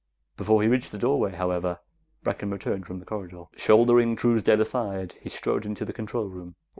Before he reached the doorway, however, Brecken returned from the corridor. Shouldering Truesdale aside, he strode into the control room.